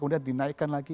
kemudian dinaikkan lagi